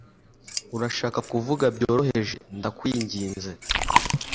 Urashaka kuvuga byoroheje ndakwinginze?